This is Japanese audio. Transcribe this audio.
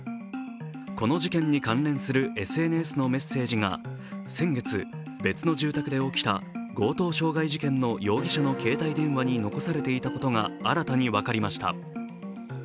この事件に関連するＳＮＳのメッセージが先月、別の住宅で起きた強盗傷害事件の容疑者の携帯電話に残されていたことが新たに分かりました。